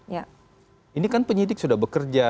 ya ini kan penyidik sudah bekerja